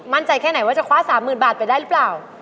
แค่ไหนว่าจะคว้า๓๐๐๐บาทไปได้หรือเปล่า